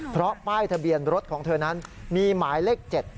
เพราะป้ายทะเบียนรถของเธอนั้นมีหมายเลข๗